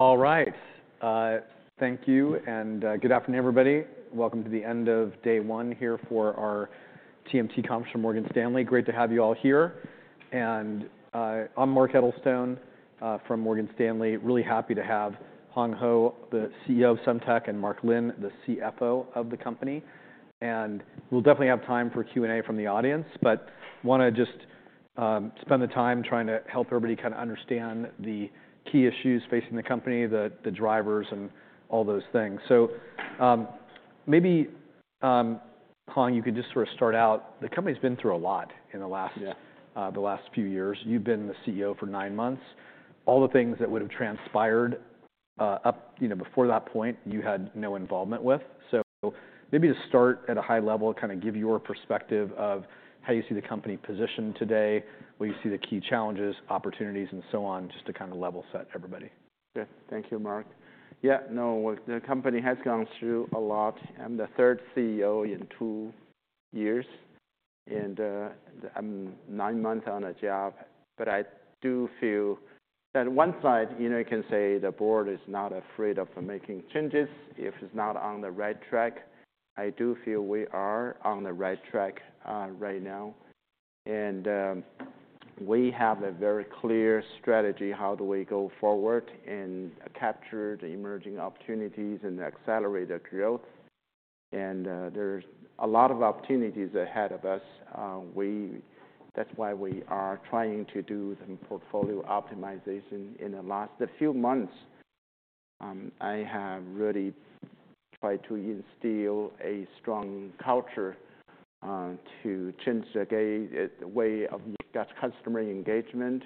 All right. Thank you, and good afternoon, everybody. Welcome to the end of day one here for our TMT Conference from Morgan Stanley. Great to have you all here, and I'm Mark Edelstone from Morgan Stanley. Really happy to have Hong Hou, the CEO of Semtech, and Mark Lin, the CFO of the company, and we'll definitely have time for Q&A from the audience, but want to just spend the time trying to help everybody kind of understand the key issues facing the company, the drivers, and all those things, so maybe, Hong, you could just sort of start out. The company's been through a lot in the last few years. You've been the CEO for nine months. All the things that would have transpired up before that point, you had no involvement with. So maybe to start at a high level, kind of give your perspective of how you see the company positioned today, where you see the key challenges, opportunities, and so on, just to kind of level set everybody. Okay. Thank you, Mark. Yeah. No, the company has gone through a lot. I'm the third CEO in two years, and I'm nine months on the job. But I do feel that one side, you can say the board is not afraid of making changes if it's not on the right track. I do feel we are on the right track right now. And we have a very clear strategy: how do we go forward and capture the emerging opportunities and accelerate the growth? And there's a lot of opportunities ahead of us. That's why we are trying to do some portfolio optimization. In the last few months, I have really tried to instill a strong culture to change the way of customer engagement.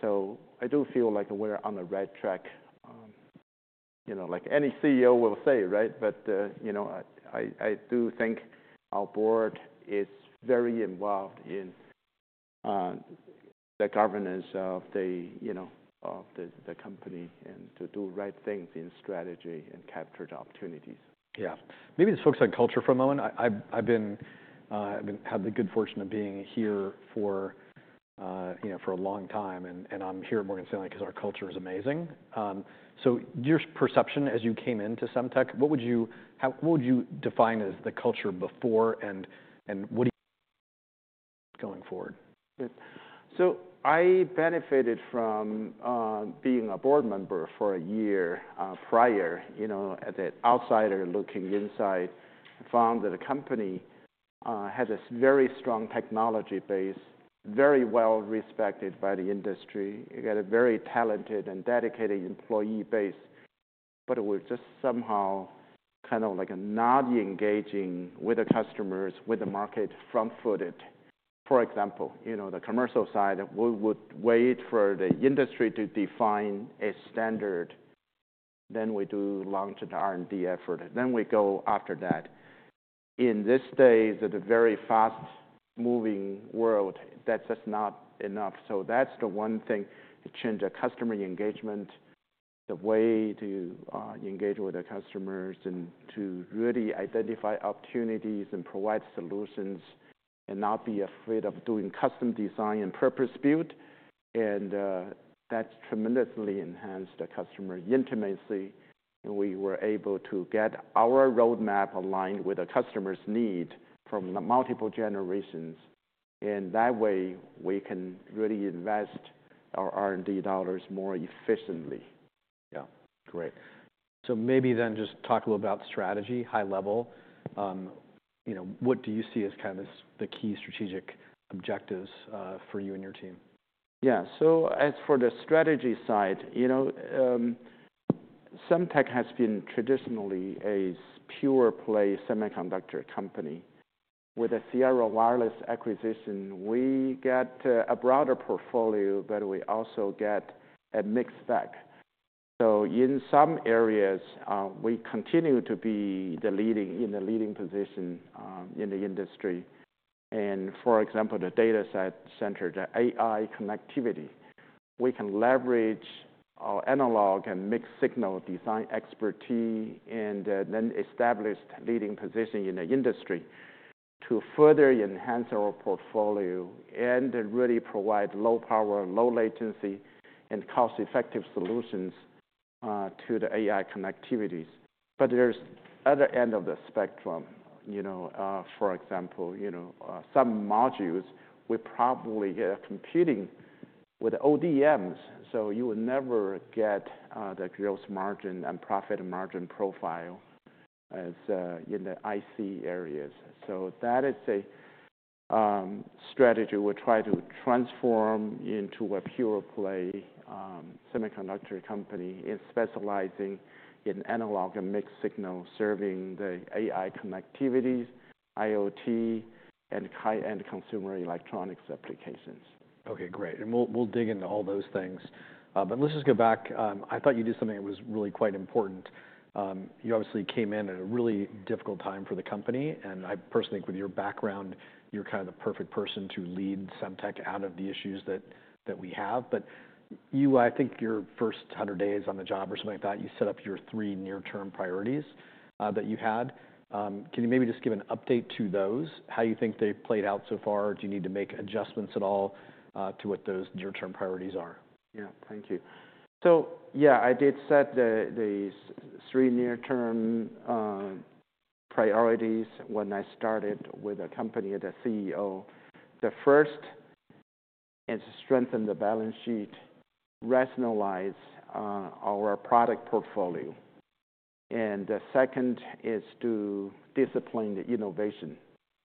So I do feel like we're on the right track, like any CEO will say, right? But I do think our board is very involved in the governance of the company and to do right things in strategy and capture the opportunities. Yeah. Maybe let's focus on culture for a moment. I've had the good fortune of being here for a long time, and I'm here at Morgan Stanley because our culture is amazing. So your perception as you came into Semtech, what would you define as the culture before, and what do you going forward? So I benefited from being a board member for a year prior as an outsider looking inside and found that the company had this very strong technology base, very well respected by the industry. You got a very talented and dedicated employee base, but we're just somehow kind of not engaging with the customers, with the market, front footed. For example, the commercial side, we would wait for the industry to define a standard. Then we do launch the R&D effort. Then we go after that. In these days, in a very fast-moving world, that's just not enough. So that's the one thing: to change the customer engagement, the way to engage with the customers, and to really identify opportunities and provide solutions and not be afraid of doing custom design and purpose-built. And that's tremendously enhanced the customer intimacy. We were able to get our roadmap aligned with the customer's need from multiple generations. That way, we can really invest our R&D dollars more efficiently. Yeah. Great. So maybe then just talk a little about strategy, high level. What do you see as kind of the key strategic objectives for you and your team? Yeah. So as for the strategy side, Semtech has been traditionally a pure-play semiconductor company. With the Sierra Wireless acquisition, we get a broader portfolio, but we also get a mixed stack. So in some areas, we continue to be in the leading position in the industry. And for example, in the data center, the AI connectivity, we can leverage our analog and mixed-signal design expertise and our established leading position in the industry to further enhance our portfolio and really provide low power, low latency, and cost-effective solutions to the AI connectivity. But there's the other end of the spectrum. For example, some modules, we probably are competing with ODMs. So you will never get the gross margin and profit margin profile in the IC areas. That is a strategy we'll try to transform into a pure-play semiconductor company and specializing in analog and mixed-signal serving the AI connectivities, IoT, and high-end consumer electronics applications. Okay. Great. And we'll dig into all those things. But let's just go back. I thought you did something that was really quite important. You obviously came in at a really difficult time for the company. And I personally think with your background, you're kind of the perfect person to lead Semtech out of the issues that we have. But I think your first 100 days on the job or something like that, you set up your three near-term priorities that you had. Can you maybe just give an update to those, how you think they've played out so far? Do you need to make adjustments at all to what those near-term priorities are? Yeah. Thank you. So yeah, I did set these three near-term priorities when I started with the company as a CEO. The first is to strengthen the balance sheet, rationalize our product portfolio. And the second is to discipline the innovation.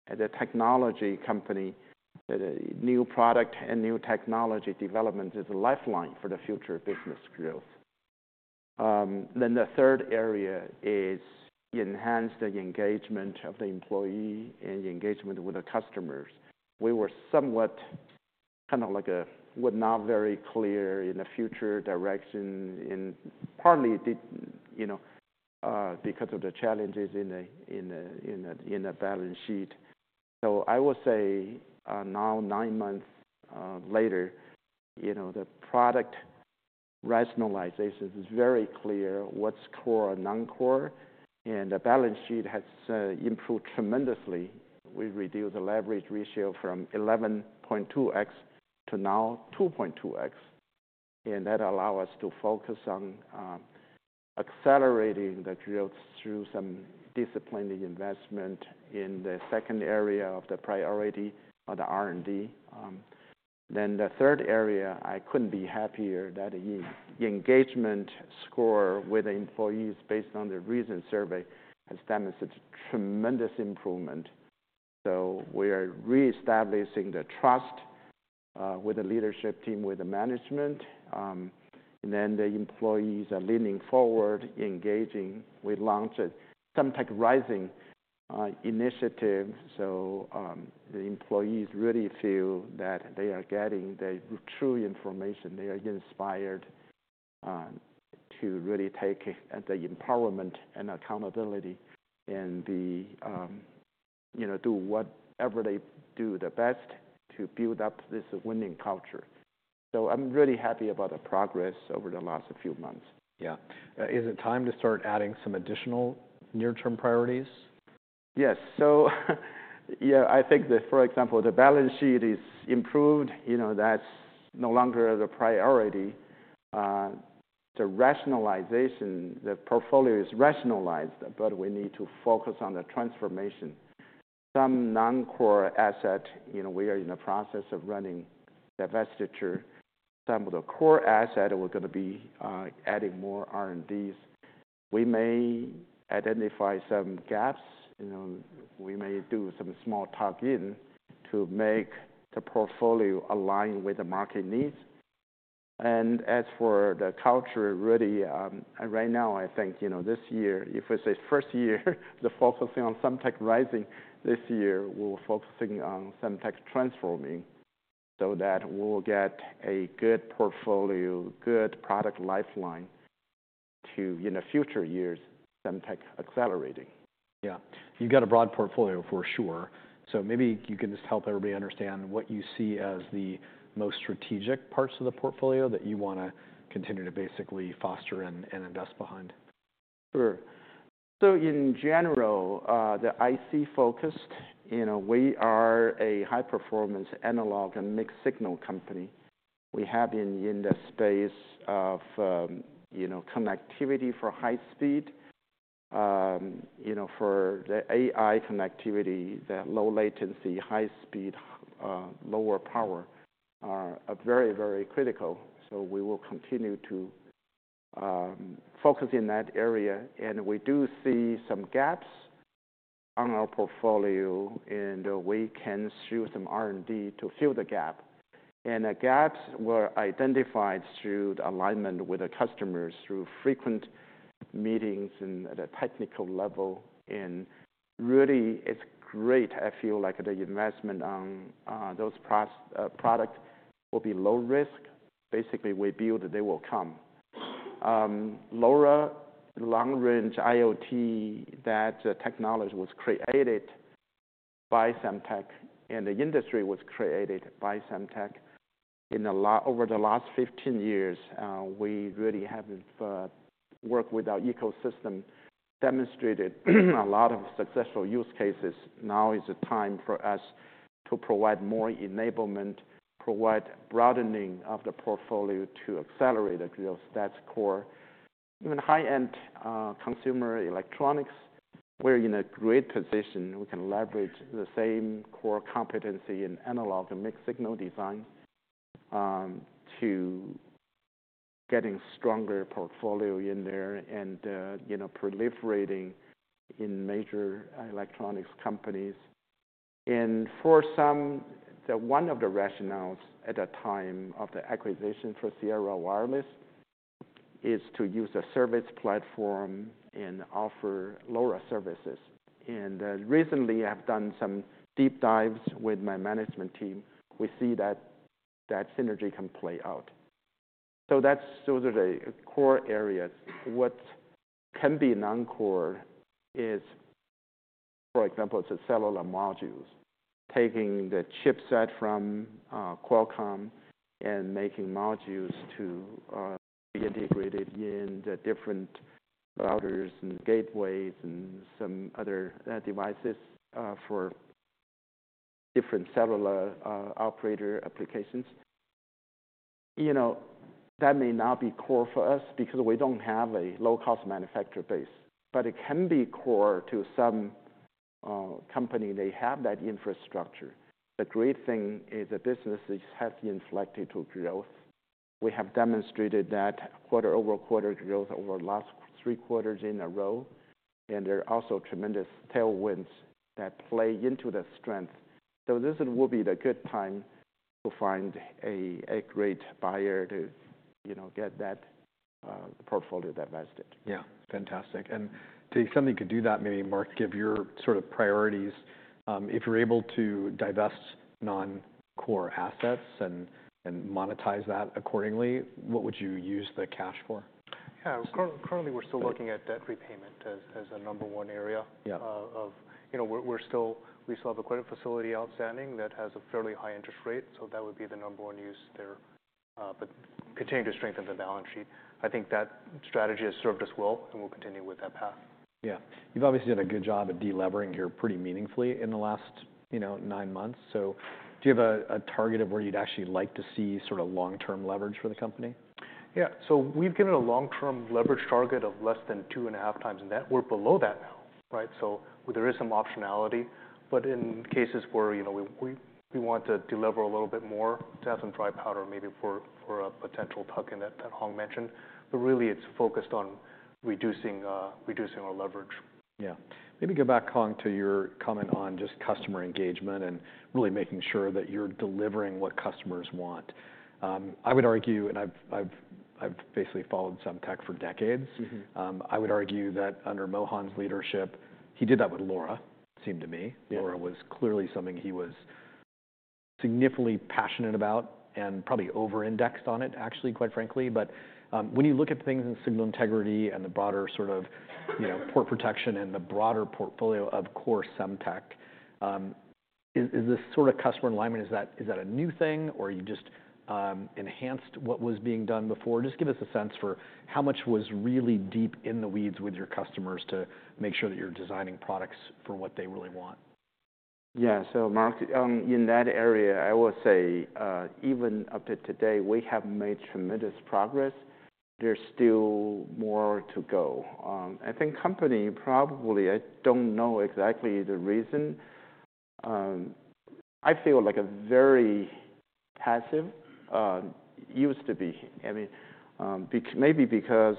As a technology company, new product and new technology development is a lifeline for the future business growth. Then the third area is enhancing the engagement of the employee and engagement with the customers. We were somewhat kind of like a not very clear in the future direction, partly because of the challenges in the balance sheet. So I will say now, nine months later, the product rationalization is very clear, what's core and non-core. And the balance sheet has improved tremendously. We reduced the leverage ratio from 11.2x to now 2.2x. And that allows us to focus on accelerating the growth through some disciplined investment in the second area of the priority of the R&D. Then the third area, I couldn't be happier that the engagement score with the employees based on the recent survey has demonstrated tremendous improvement. So we are reestablishing the trust with the leadership team, with the management. And then the employees are leaning forward, engaging. We launched a Semtech Rising initiative. So the employees really feel that they are getting the true information. They are inspired to really take the empowerment and accountability and do whatever they do their best to build up this winning culture. So I'm really happy about the progress over the last few months. Yeah. Is it time to start adding some additional near-term priorities? Yes. So yeah, I think that, for example, the balance sheet is improved. That's no longer the priority. The rationalization, the portfolio is rationalized, but we need to focus on the transformation. Some non-core asset, we are in the process of running the divestiture. Some of the core asset, we're going to be adding more R&Ds. We may identify some gaps. We may do some small tuck-ins to make the portfolio align with the market needs. And as for the culture, really, right now, I think this year, if it's a first year, the focus on Semtech Rising this year will focus on Semtech Transforming so that we'll get a good portfolio, good product lineup to, in the future years, Semtech Accelerating. Yeah. You've got a broad portfolio, for sure. So maybe you can just help everybody understand what you see as the most strategic parts of the portfolio that you want to continue to basically foster and invest behind. Sure. So in general, the IC focus, we are a high-performance analog and mixed-signal company. We have been in the space of connectivity for high speed. For the AI connectivity, the low latency, high speed, lower power are very, very critical. So we will continue to focus in that area, and we do see some gaps on our portfolio, and we can spend some R&D to fill the gap, and the gaps were identified through the alignment with the customers, through frequent meetings at a technical level, and really, it's great. I feel like the investment on those products will be low risk. Basically, we build, they will come. LoRa, long-range IoT, that technology was created by Semtech, and the industry was created by Semtech. Over the last 15 years, we really have worked with our ecosystem, demonstrated a lot of successful use cases. Now is the time for us to provide more enablement, provide broadening of the portfolio to accelerate the growth. That's core. Even high-end consumer electronics, we're in a great position. We can leverage the same core competency in analog and mixed-signal design to get a stronger portfolio in there and proliferating in major electronics companies. And for some, one of the rationales at that time of the acquisition for Sierra Wireless is to use a service platform and offer LoRa services. And recently, I've done some deep dives with my management team. We see that that synergy can play out. So those are the core areas. What can be non-core is, for example, it's a cellular module, taking the chipset from Qualcomm and making modules to be integrated in the different routers and gateways and some other devices for different cellular operator applications. That may not be core for us because we don't have a low-cost manufacturer base. But it can be core to some company. They have that infrastructure. The great thing is the business has inflected to growth. We have demonstrated that quarter-over-quarter growth over the last three quarters in a row. And there are also tremendous tailwinds that play into the strength. So this will be the good time to find a great buyer to get that portfolio divested. Yeah. Fantastic. And if something could do that, maybe Mark, give your sort of priorities. If you're able to divest non-core assets and monetize that accordingly, what would you use the cash for? Yeah. Currently, we're still looking at debt repayment as a number one area. We still have a credit facility outstanding that has a fairly high interest rate. So that would be the number one use there, but continue to strengthen the balance sheet. I think that strategy has served us well, and we'll continue with that path. Yeah. You've obviously done a good job at delevering here pretty meaningfully in the last nine months. So do you have a target of where you'd actually like to see sort of long-term leverage for the company? Yeah. So we've given a long-term leverage target of less than two and a half times that. We're below that now, right? So there is some optionality. But in cases where we want to deliver a little bit more, to have some dry powder maybe for a potential tuck-in that Hong mentioned. But really, it's focused on reducing our leverage. Yeah. Maybe go back, Hong, to your comment on just customer engagement and really making sure that you're delivering what customers want. I would argue, and I've basically followed Semtech for decades, I would argue that under Mohan's leadership, he did that with LoRa, it seemed to me. LoRa was clearly something he was significantly passionate about and probably over-indexed on it, actually, quite frankly. But when you look at things in signal integrity and the broader sort of port protection and the broader portfolio of core Semtech, is this sort of customer alignment, is that a new thing, or you just enhanced what was being done before? Just give us a sense for how much was really deep in the weeds with your customers to make sure that you're designing products for what they really want. Yeah. So Mark, in that area, I will say even up to today, we have made tremendous progress. There's still more to go. I think company probably, I don't know exactly the reason. I feel like a very passive used to be. I mean, maybe because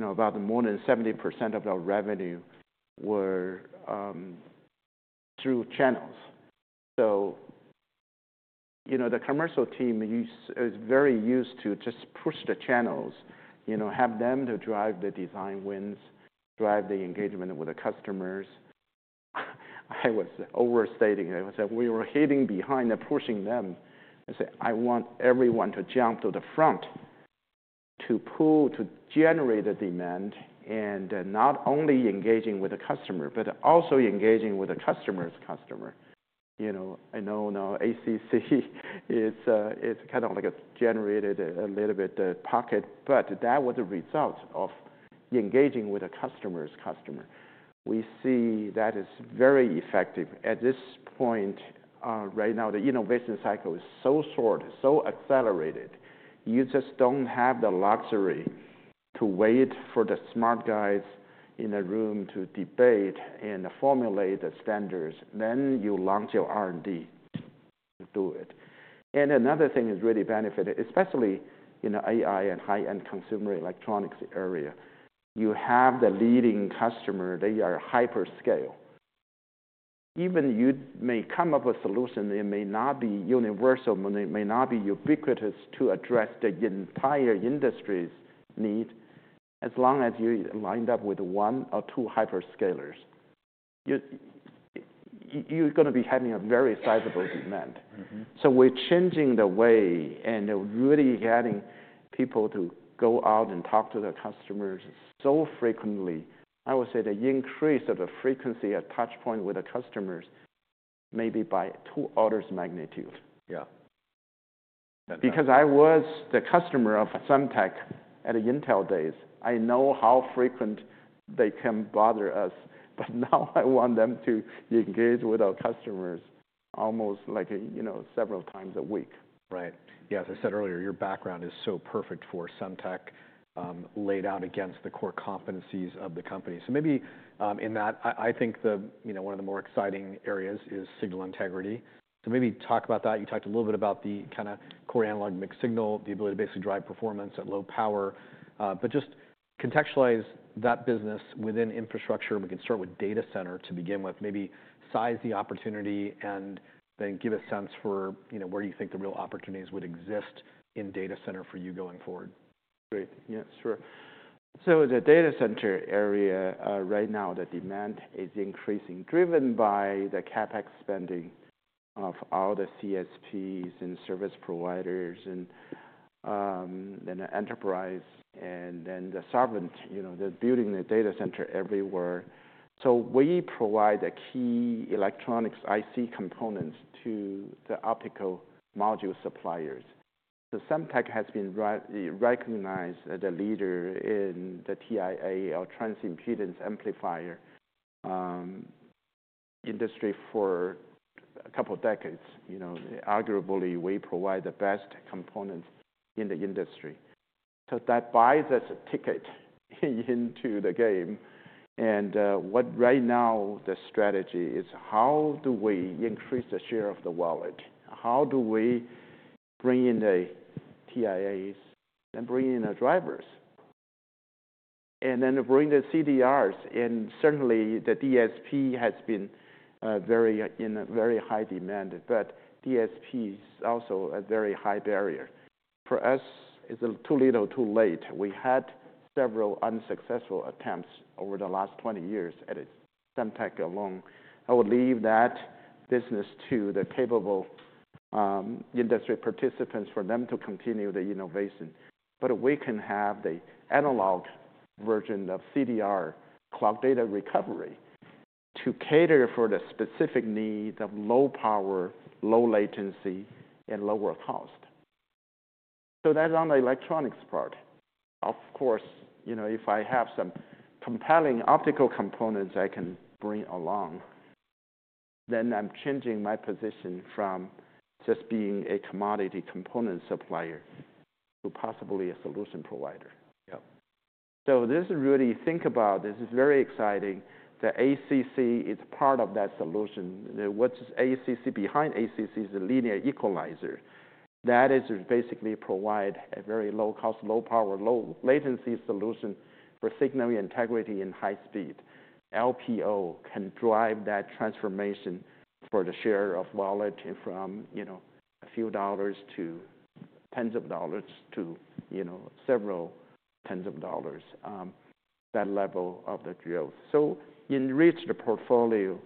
about more than 70% of our revenue were through channels. So the commercial team is very used to just push the channels, have them to drive the design wins, drive the engagement with the customers. I was overstating it. I said we were sitting behind and pushing them. I said, "I want everyone to jump to the front to pull, to generate the demand, and not only engaging with the customer, but also engaging with the customer's customer." I know now ACC is kind of like a generated a little bit the pocket, but that was a result of engaging with the customer's customer. We see that is very effective. At this point, right now, the innovation cycle is so short, so accelerated. You just don't have the luxury to wait for the smart guys in the room to debate and formulate the standards, then you launch your R&D to do it, and another thing is really benefited, especially in the AI and high-end consumer electronics area. You have the leading customer. They are hyperscale. Even you may come up with a solution that may not be universal, may not be ubiquitous to address the entire industry's need. As long as you lined up with one or two hyperscalers, you're going to be having a very sizable demand, so we're changing the way and really getting people to go out and talk to the customers so frequently. I would say the increase of the frequency of touchpoint with the customers may be by two orders of magnitude. Yeah. Because I was the customer of Semtech at the Intel days. I know how frequent they can bother us, but now I want them to engage with our customers almost like several times a week. Right. Yeah. As I said earlier, your background is so perfect for Semtech, laid out against the core competencies of the company. So maybe in that, I think one of the more exciting areas is signal integrity. So maybe talk about that. You talked a little bit about the kind of core analog, mixed signal, the ability to basically drive performance at low power. But just contextualize that business within infrastructure. We can start with data center to begin with. Maybe size the opportunity and then give a sense for where you think the real opportunities would exist in data center for you going forward. Great. Yeah. Sure. The data center area right now, the demand is increasing driven by the CapEx spending of all the CSPs and service providers and then the enterprise and then the sovereign, the building the data center everywhere. We provide the key electronics IC components to the optical module suppliers. Semtech has been recognized as a leader in the TIA or transimpedance amplifier industry for a couple of decades. Arguably, we provide the best components in the industry. That buys us a ticket into the game. Right now, the strategy is how do we increase the share of the wallet. How do we bring in the TIAs and bring in the drivers. Then bring the CDRs. Certainly, the DSP has been in very high demand, but DSP is also a very high barrier. For us, it's too little, too late. We had several unsuccessful attempts over the last 20 years at Semtech alone. I will leave that business to the capable industry participants for them to continue the innovation. But we can have the analog version of CDR, Clock and Data Recovery, to cater for the specific needs of low power, low latency, and lower cost. So that's on the electronics part. Of course, if I have some compelling optical components I can bring along, then I'm changing my position from just being a commodity component supplier to possibly a solution provider. Yeah. So, this is really think about, this is very exciting. The ACC is part of that solution. What’s ACC? Behind ACC is a linear equalizer. That is basically provide a very low-cost, low-power, low-latency solution for signal integrity and high-speed. LPO can drive that transformation for the share of wallet from a few dollars to tens of dollars to several tens of dollars, that level of the growth. So, enrich the portfolio,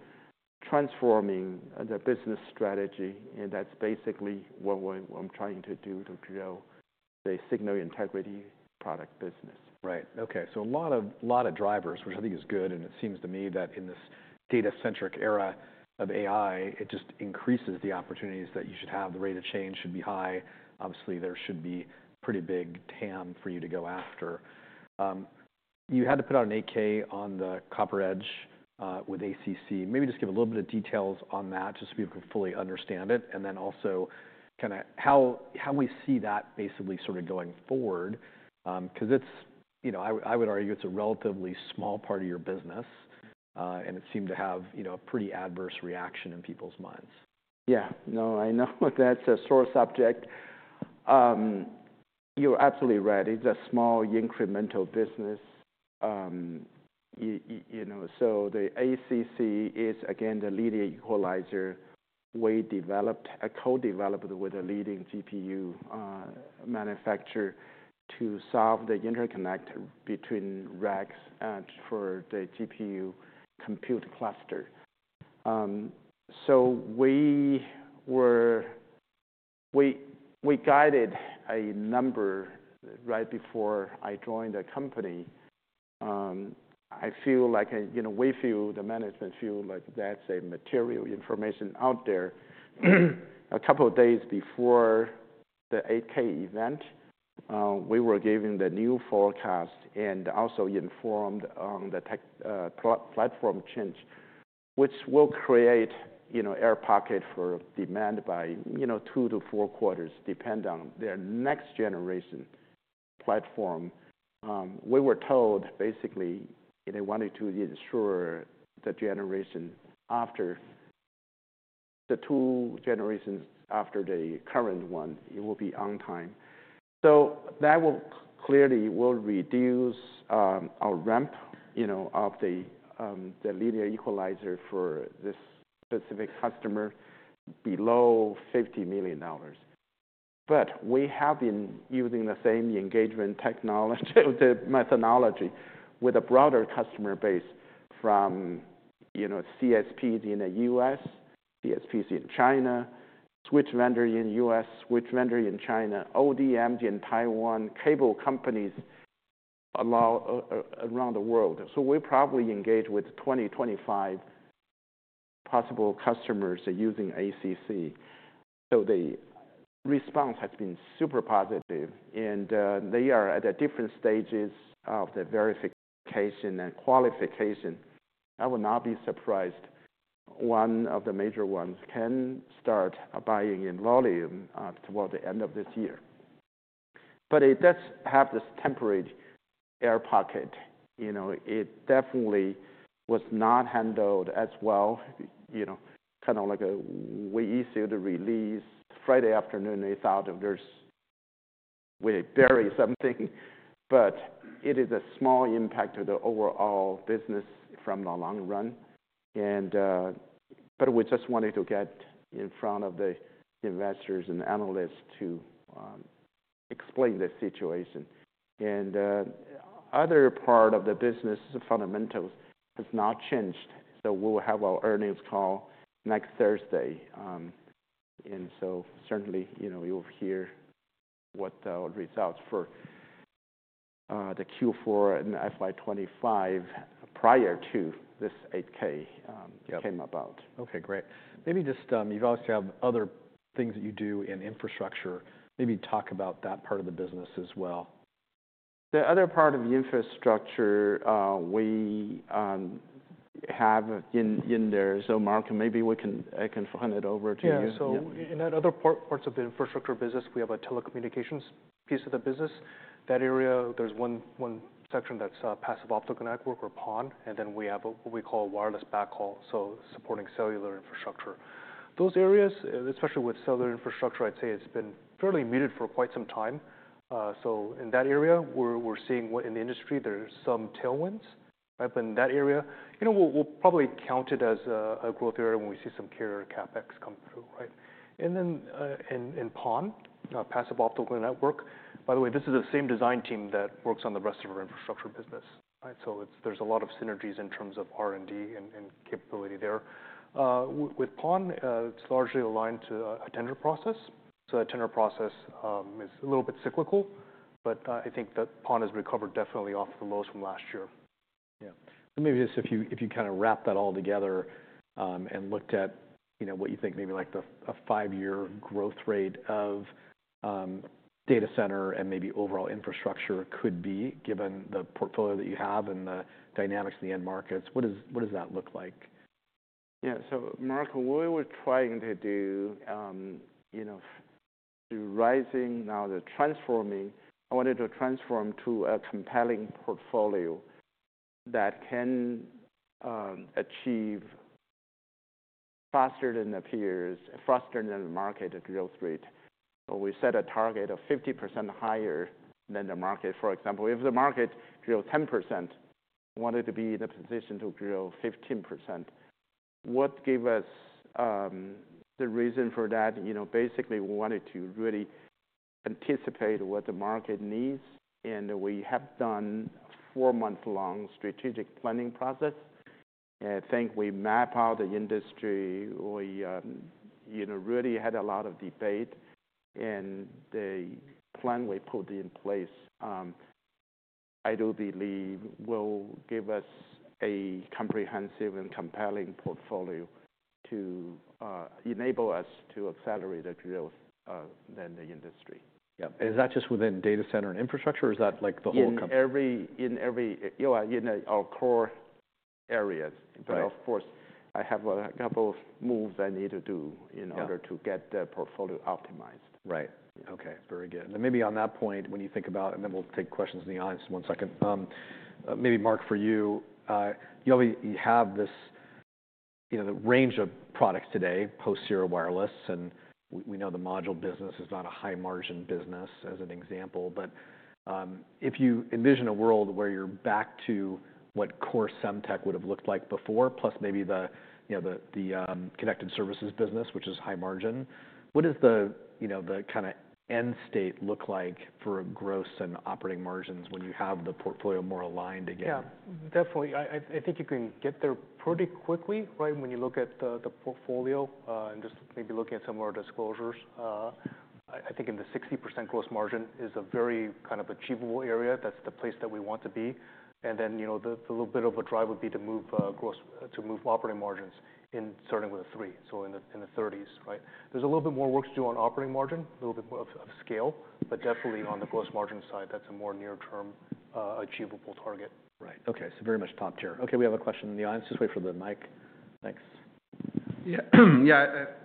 transforming the business strategy. And that’s basically what I’m trying to do to grow the signal integrity product business. Right. Okay. So a lot of drivers, which I think is good. And it seems to me that in this data-centric era of AI, it just increases the opportunities that you should have. The rate of change should be high. Obviously, there should be pretty big TAM for you to go after. You had to put out an 8-K on the CopperEdge with ACC. Maybe just give a little bit of details on that just so people can fully understand it. And then also kind of how we see that basically sort of going forward. Because I would argue it's a relatively small part of your business, and it seemed to have a pretty adverse reaction in people's minds. Yeah. No, I know that's a sore subject. You're absolutely right. It's a small incremental business. So the ACC is, again, the linear equalizer we developed, co-developed with a leading GPU manufacturer to solve the interconnect between racks for the GPU compute cluster, so we guided a number right before I joined the company. I feel like we feel the management feel like that's a material information out there. A couple of days before the 8-K event, we were given the new forecast and also informed on the platform change, which will create air pocket for demand by two to four quarters, depend on their next generation platform. We were told basically they wanted to ensure the generation after the two generations after the current one, it will be on time, so that will clearly reduce our ramp of the linear equalizer for this specific customer below $50 million. But we have been using the same engagement methodology with a broader customer base from CSPs in the U.S., CSPs in China, switch vendor in U.S., switch vendor in China, ODMs in Taiwan, cable companies around the world. So we probably engage with 20, 25 possible customers using ACC. So the response has been super positive. And they are at different stages of the verification and qualification. I will not be surprised. One of the major ones can start buying in volume toward the end of this year. But it does have this temporary air pocket. It definitely was not handled as well, kind of like an 8-K release Friday afternoon without there being some big news we buried something. But it is a small impact to the overall business in the long run. But we just wanted to get in front of the investors and analysts to explain the situation. Other part of the business fundamentals has not changed. We will have our earnings call next Thursday. Certainly, you'll hear what the results for the Q4 and FY25 prior to this 8-K came about. Okay. Great. Maybe just you've obviously have other things that you do in infrastructure. Maybe talk about that part of the business as well. The other part of the infrastructure we have in there. So Mark, maybe I can hand it over to you. Yeah. So in other parts of the infrastructure business, we have a telecommunications piece of the business. That area, there's one section that's passive optical network or PON. And then we have what we call wireless backhaul, so supporting cellular infrastructure. Those areas, especially with cellular infrastructure, I'd say it's been fairly muted for quite some time. So in that area, we're seeing in the industry, there's some tailwinds. But in that area, we'll probably count it as a growth area when we see some carrier CapEx come through, right? And then in PON, passive optical network, by the way, this is the same design team that works on the rest of our infrastructure business. So there's a lot of synergies in terms of R&D and capability there. With PON, it's largely aligned to a tender process. So a tender process is a little bit cyclical, but I think that PON has recovered definitely off of the lows from last year. Yeah, so maybe just if you kind of wrap that all together and looked at what you think maybe like a five-year growth rate of data center and maybe overall infrastructure could be given the portfolio that you have and the dynamics in the end markets, what does that look like? Yeah. So Mark, what we were trying to do, I wanted to transform to a compelling portfolio that can achieve faster than the market growth rate. So we set a target of 50% higher than the market. For example, if the market grew 10%, wanted to be in a position to grow 15%. What gave us the reason for that? Basically, we wanted to really anticipate what the market needs. And we have done four-month-long strategic planning process. I think we map out the industry. We really had a lot of debate. And the plan we put in place, I do believe, will give us a comprehensive and compelling portfolio to enable us to accelerate the growth than the industry. Yeah. And is that just within data center and infrastructure or is that like the whole company? In every one of our core areas, but of course, I have a couple of moves I need to do in order to get the portfolio optimized. Right. Okay. Very good. And then maybe on that point, when you think about, and then we'll take questions in the audience in one second. Maybe Mark for you, you have the range of products today, post-Sierra Wireless. And we know the module business is not a high-margin business as an example. But if you envision a world where you're back to what core Semtech would have looked like before, plus maybe the connected services business, which is high margin, what does the kind of end state look like for gross and operating margins when you have the portfolio more aligned again? Yeah. Definitely. I think you can get there pretty quickly, right? When you look at the portfolio and just maybe looking at some of our disclosures, I think in the 60% gross margin is a very kind of achievable area. That's the place that we want to be. And then the little bit of a drive would be to move operating margins in starting with a three, so in the 30s, right? There's a little bit more work to do on operating margin, a little bit more of scale. But definitely on the gross margin side, that's a more near-term achievable target. Right. Okay. So very much top tier. Okay. We have a question in the audience. Just wait for the mic. Thanks. Yeah.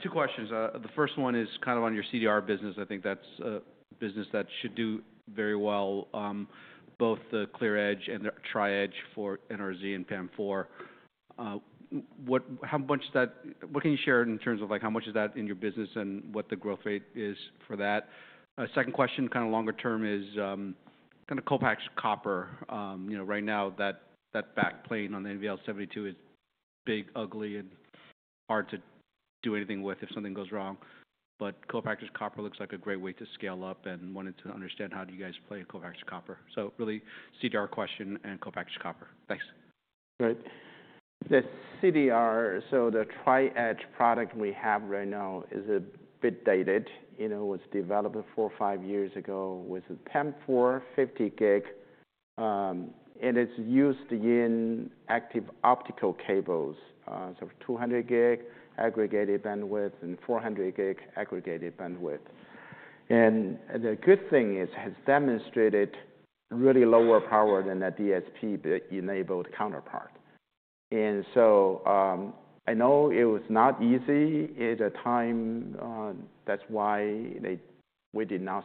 Two questions. The first one is kind of on your CDR business. I think that's a business that should do very well, both the ClearEdge and the TriEdge for NRZ and PAM4. How much is that? What can you share in terms of how much is that in your business and what the growth rate is for that? Second question, kind of longer term is kind of co-packaged copper. Right now, that backplane on the NVL72 is big, ugly, and hard to do anything with if something goes wrong. But co-packaged copper looks like a great way to scale up and wanted to understand how do you guys play co-packaged copper. So really CDR question and co-packaged copper. Thanks. Right. The CDR, so the TriEdge product we have right now is a bit dated. It was developed four or five years ago with PAM4 50 gig, and it's used in active optical cables, so 200 gig aggregated bandwidth and 400 gig aggregated bandwidth. The good thing is it has demonstrated really lower power than a DSP-enabled counterpart, and so I know it was not easy at the time. That's why we did not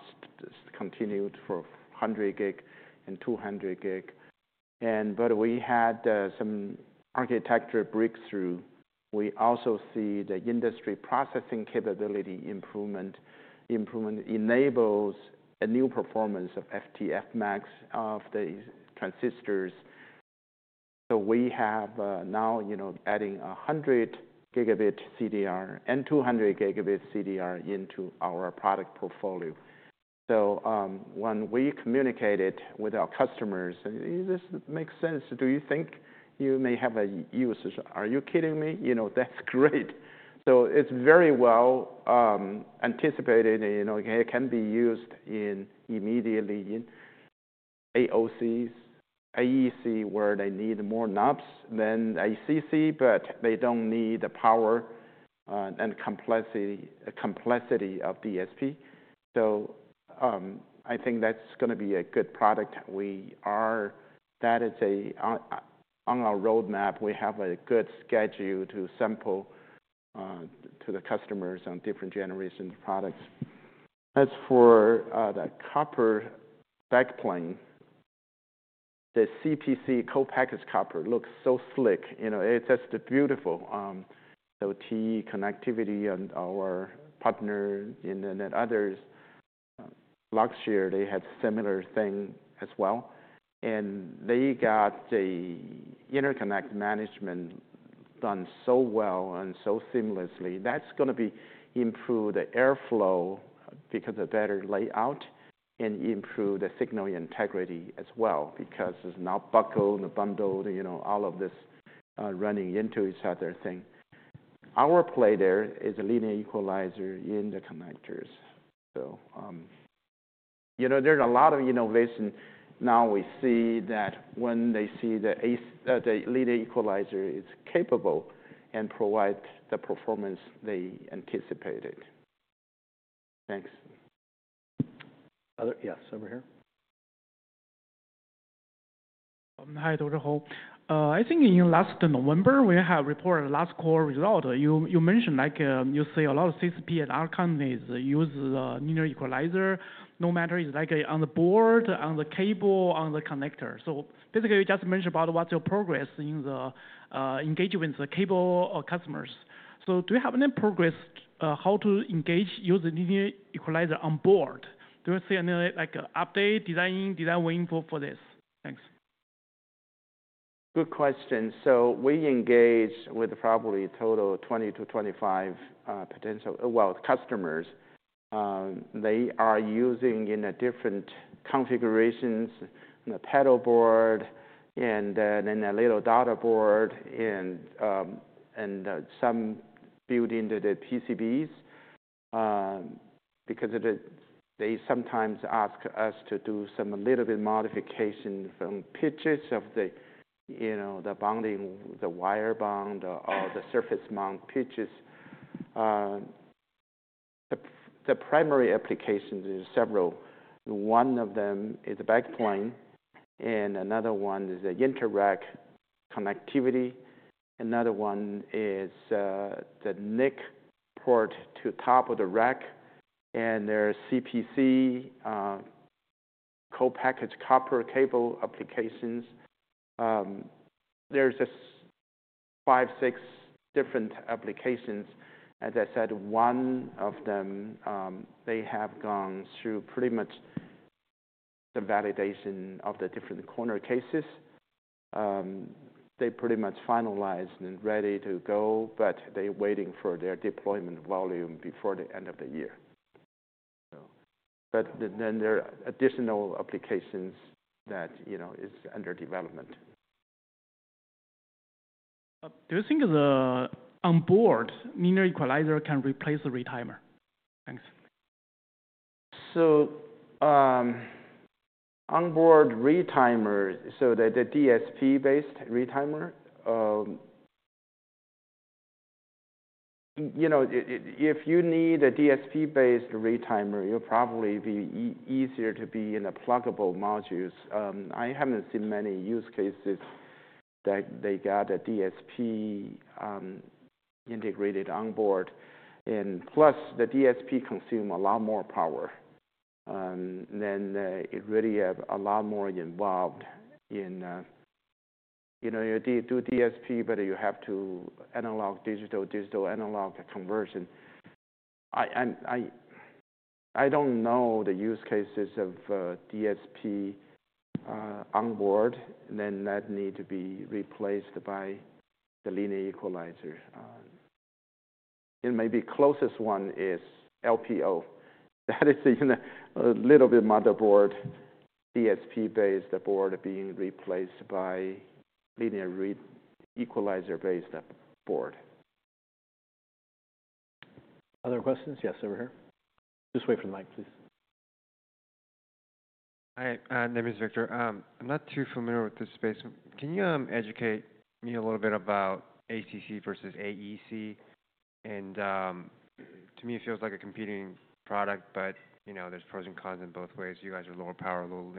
continue for 100 gig and 200 gig, but we had some architecture breakthrough. We also see the industry processing capability improvement enables a new performance of fT max of the transistors, so we have now adding 100 gigabit CDR and 200 gigabit CDR into our product portfolio, so when we communicated with our customers, this makes sense. Do you think you may have a use? Are you kidding me? That's great. So it's very well anticipated. It can be used immediately in AOCs, AEC where they need more knobs than ACC, but they don't need the power and complexity of DSP. So I think that's going to be a good product. That is on our roadmap. We have a good schedule to sample to the customers on different generations of products. As for the copper backplane, the CPC co-packaged copper looks so slick. It's just beautiful. So TE Connectivity and our partner and then others, Luxshare, they had similar thing as well. And they got the interconnect management done so well and so seamlessly. That's going to improve the airflow because of better layout and improve the signal integrity as well because it's not buckled and bundled, all of this running into each other thing. Our play there is a linear equalizer in the connectors. So there's a lot of innovation. Now we see that when they see the linear equalizer is capable and provides the performance they anticipated. Thanks. Yes, over here. Hi, Dr. Hou. I think in last November, we had reported last quarter results. You mentioned you see a lot of CSP and other companies use linear equalizer, no matter it's on the board, on the cable, on the connector. So basically, you just mentioned about what's your progress in engaging with the cable customers. So do you have any progress how to engage using linear equalizer on board? Do you see any update, design win for this? Thanks. Good question. So we engage with probably a total of 20-25 potential, well, customers. They are using in different configurations the paddle board and then a little daughter board and some built into the PCBs because they sometimes ask us to do some little bit modification from pitches of the bonding, the wire bond, or the surface mount pitches. The primary applications are several. One of them is the backplane. And another one is the inter-rack connectivity. Another one is the NIC port to top of the rack. And there are CPC co-packaged copper cable applications. There are five, six different applications. As I said, one of them they have gone through pretty much the validation of the different corner cases. They pretty much finalized and ready to go, but they're waiting for their deployment volume before the end of the year. But then there are additional applications that is under development. Do you think on board linear equalizer can replace a retimer? Thanks. So, on board retimer, so the DSP-based retimer, if you need a DSP-based retimer, it'll probably be easier to be in the pluggable modules. I haven't seen many use cases that they got a DSP integrated on board. And plus the DSP consumes a lot more power. Then it really has a lot more involved in you do DSP, but you have to analog, digital, digital analog conversion. I don't know the use cases of DSP on board, and then that need to be replaced by the linear equalizer. And maybe closest one is LPO. That is a little bit motherboard, DSP-based board being replaced by linear equalizer-based board. Other questions? Yes, over here. Just wait for the mic, please. Hi. My name is Victor. I'm not too familiar with this space. Can you educate me a little bit about ACC versus AEC, and to me, it feels like a competing product, but there's pros and cons in both ways. You guys are lower power, low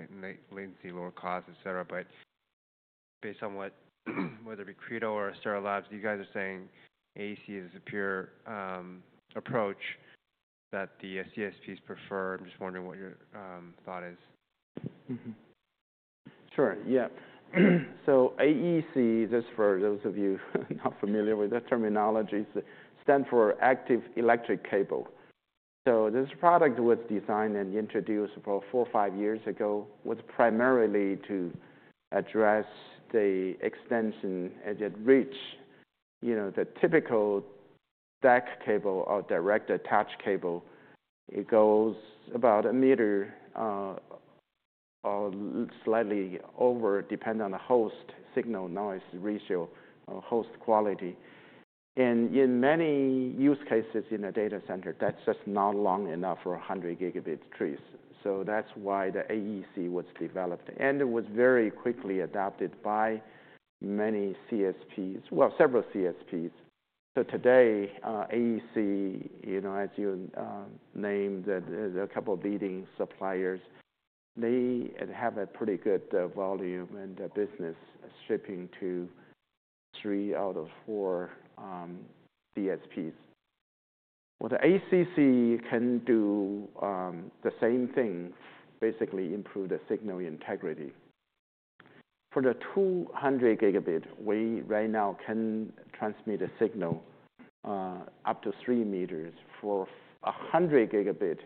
latency, lower cost, etc., but based on whether it be Credo or Astera Labs, you guys are saying AEC is a superior approach that the CSPs prefer. I'm just wondering what your thought is? Sure. Yeah. AEC, just for those of you not familiar with the terminology, stands for active electrical cable. This product was designed and introduced about four or five years ago, was primarily to address the extension and reach the typical DAC cable or direct attach cable. It goes about a meter or slightly over, depending on the host signal-to-noise ratio or host quality, and in many use cases in a data center, that's just not long enough for 100 gigabit trees. That's why the AEC was developed. It was very quickly adopted by many CSPs, well, several CSPs. Today, AEC, as you named, there's a couple of leading suppliers. They have a pretty good volume and business shipping to three out of four DSPs. What the ACC can do, the same thing, basically improve the signal integrity. For the 200 gigabit, we right now can transmit a signal up to three meters. For 100 gigabit,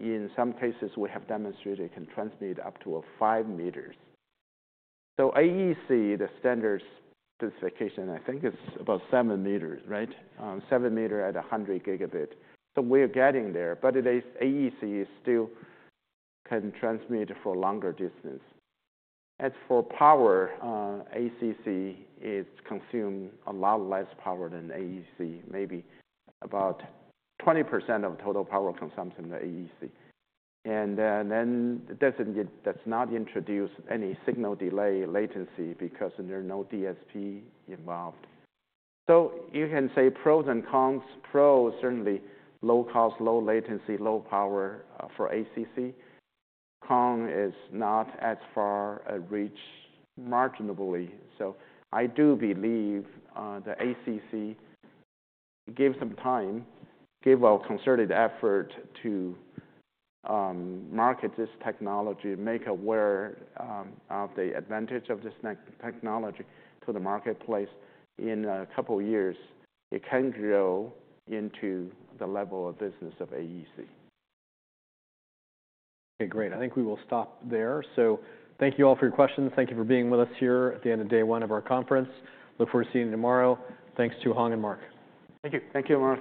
in some cases, we have demonstrated it can transmit up to five meters. So AEC, the standard specification, I think it's about seven meters, right? Seven meters at 100 gigabit. So we are getting there. But AEC still can transmit for longer distance. As for power, ACC is consuming a lot less power than AEC, maybe about 20% of total power consumption of AEC. And then that's not introduced any signal delay latency because there are no DSP involved. So you can say pros and cons. Pros, certainly low cost, low latency, low power for ACC. Con is not as far reached marginally. So I do believe the ACC gives them time, give a concerted effort to market this technology, make aware of the advantage of this technology to the marketplace. In a couple of years, it can grow into the level of business of AEC. Okay. Great. I think we will stop there. So thank you all for your questions. Thank you for being with us here at the end of day one of our conference. Look forward to seeing you tomorrow. Thanks to Hong and Mark. Thank you. Thank you, Mark.